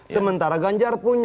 sementara ganjar punya